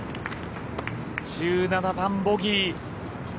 １７番、ボギー。